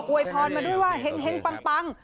วยพรมาด้วยว่าเห็งปัง